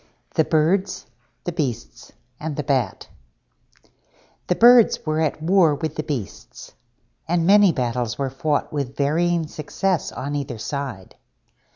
THE BIRDS, THE BEASTS, AND THE BAT The Birds were at war with the Beasts, and many battles were fought with varying success on either side.